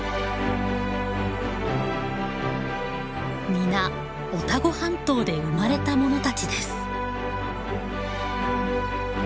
皆オタゴ半島で生まれたものたちです。